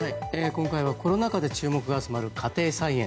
今回はコロナ禍で注目が集まる家庭菜園。